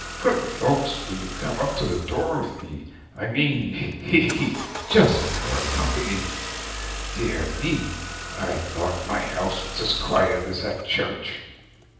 'Good folks, will you come up to the door with me? I mean hee hee just for company! Dear me, I thought my house was as quiet as a church?'